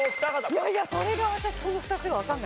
いやいやそれが私。